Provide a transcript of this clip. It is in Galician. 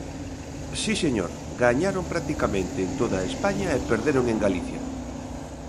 Si, señor, gañaron practicamente en toda España e perderon en Galicia.